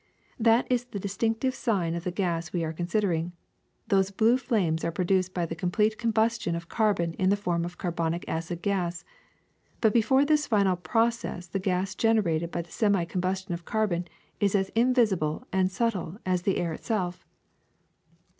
That is the distinctive sign of the gas we are considering; those blue flames are produced by the complete combustion of carbon in the formation of carbonic acid gas. But before this final process the gas generated by the semi combus tion of carbon is as invisible and subtile as the air itself.